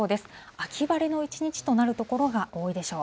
秋晴れの一日となる所が多いでしょう。